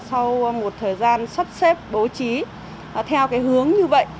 sau một thời gian sắp xếp bố trí theo cái hướng như vậy